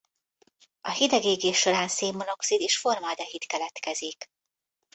A hideg égés során szén-monoxid és formaldehid keletkezik.